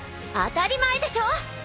当たり前でしょ！